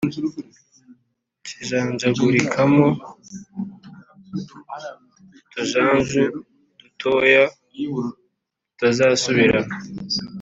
kijanjagurikamo utujanju dutoya tutazasubirana,